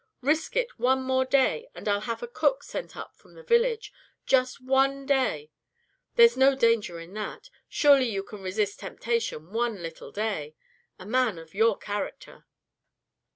Risk it one more day, and I'll have a cook sent up from the village. Just one day. There's no danger in that. Surely you can resist temptation one little day. A man of your character."